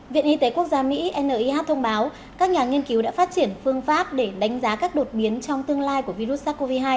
viện y tế quốc gia mỹ nih thông báo các nhà nghiên cứu đã phát triển phương pháp để đánh giá các đột biến trong tương lai của virus sars cov hai